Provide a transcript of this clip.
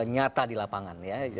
nyata di lapangan ya